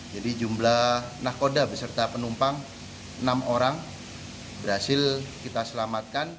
jadi jumlah nakoda beserta penumpang enam orang berhasil kita selamatkan